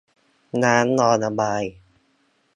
น้ำรอระบาย